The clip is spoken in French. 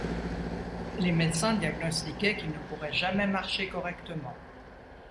Les médecins diagnostiquaient qu'il ne pourrait jamais marcher correctement.